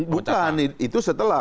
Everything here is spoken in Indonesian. bukan itu setelah